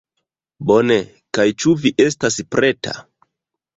Bone. Kaj ĉu vi estas preta?